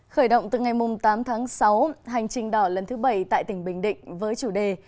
khởi động từ ngày tám tháng sáu hành trình đỏ lần thứ bảy tại tỉnh bình định với chủ đề